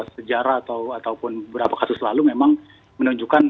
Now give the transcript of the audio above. sejarah atau berapa kasus lalu memang menunjukkan